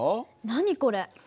何これ？